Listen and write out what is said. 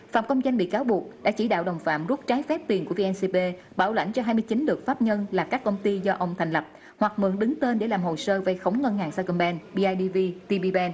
phạm công danh bị cáo buộc đã chỉ đạo đồng phạm rút trái phép tiền của vncb bảo lãnh cho hai mươi chín được pháp nhân là các công ty do ông thành lập hoặc mượn đứng tên để làm hồ sơ vây khống ngân hàng sacombank bidv tp bank